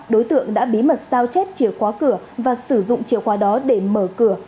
đối tượng đã bí mật sao chép chìa khóa cửa và sử dụng chìa khóa đó để mở cửa